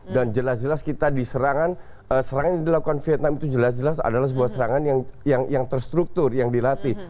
dan jelas jelas kita diserangan serangan yang dilakukan vietnam itu jelas jelas adalah sebuah serangan yang terstruktur yang dilatih